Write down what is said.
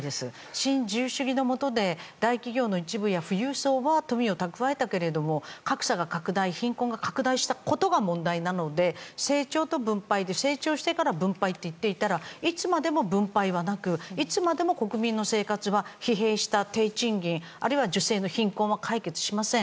新自由主義のもとで大企業の一部や富裕層は富を蓄えたけど格差が拡大貧困が拡大したことが問題なので、成長と分配で成長してから分配と言っていたらいつまでも分配はなく国民の生活は疲弊した低賃金あるいは女性の貧困は解決しません。